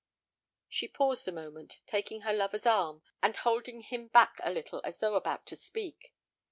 She paused a moment, taking her lover's arm, and holding him back a little as though about to speak.